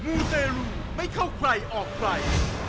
มูเตรลูไม่เข้าใครออกใคร